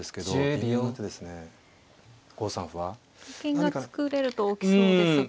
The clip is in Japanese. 何か。と金が作れると大きそうですが。